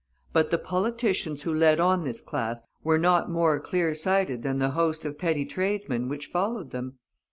But the politicians who led on this class were not more clear sighted than the host of petty tradesmen which followed them.